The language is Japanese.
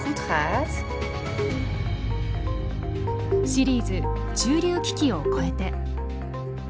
シリーズ「中流危機を越えて」。